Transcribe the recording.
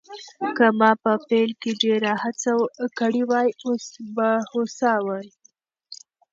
که ما په پیل کې ډېره هڅه کړې وای، اوس به هوسا وم.